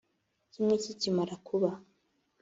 kimwe kikimara kuba